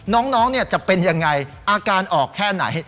น้องจะเป็นยังไงอาการออกแค่ไหน